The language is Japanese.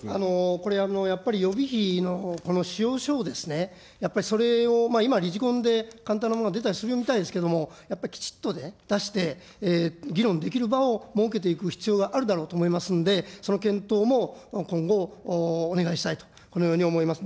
これ、やっぱり予備費のこの使用書をですね、やっぱりそれを今、理事懇で簡単なものが出たりするみたいですけれども、やっぱりきちっとね、出して、議論できる場を設けていく必要があると思いますんで、その検討も今後、お願いしたいと、このように思います。